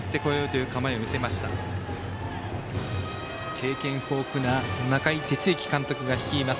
経験豊富な中井哲之監督が率います。